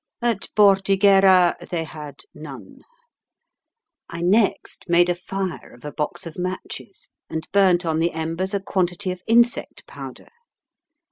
At Bordighera they had none. I next made a fire of a box of matches, and burnt on the embers a quantity of insect powder.